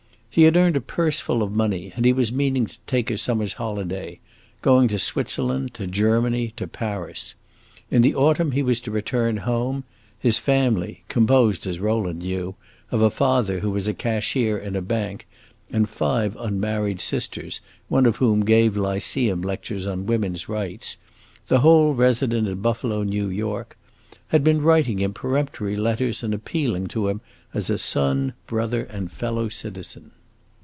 He had earned a purse full of money, and he was meaning to take a summer's holiday; going to Switzerland, to Germany, to Paris. In the autumn he was to return home; his family composed, as Rowland knew, of a father who was cashier in a bank and five unmarried sisters, one of whom gave lyceum lectures on woman's rights, the whole resident at Buffalo, New York had been writing him peremptory letters and appealing to him as a son, brother, and fellow citizen.